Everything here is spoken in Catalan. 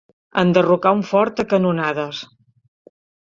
Enderrocar un fort a canonades.